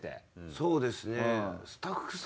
そうですね。